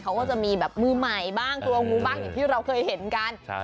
เขาก็จะมีแบบมือใหม่บ้างตัวงูบ้างอย่างที่เราเคยเห็นกัน